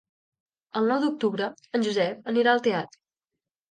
El nou d'octubre en Josep anirà al teatre.